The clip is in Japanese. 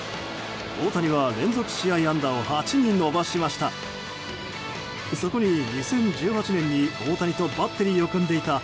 大谷は連続試合安打を８に伸ばしました。